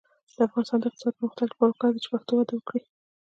د افغانستان د اقتصادي پرمختګ لپاره پکار ده چې پښتو وده وکړي.